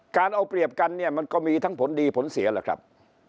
การเอาเปรียบกันเนี่ยมันก็มีทั้งผลดีผลเสียแหละครับ